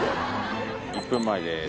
・１分前です。